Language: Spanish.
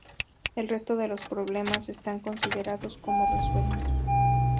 El resto de los problemas están considerados como resueltos.